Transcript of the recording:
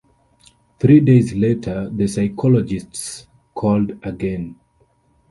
Three days later, the psychologists called again.